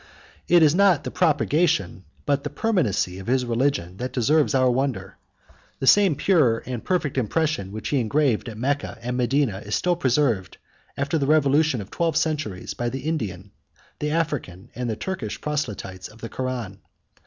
It is not the propagation, but the permanency, of his religion, that deserves our wonder: the same pure and perfect impression which he engraved at Mecca and Medina, is preserved, after the revolutions of twelve centuries, by the Indian, the African, and the Turkish proselytes of the Koran.